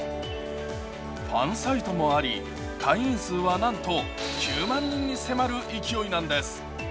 ファンサイトもあり、会員数はなんと９万人に迫る勢いなんです。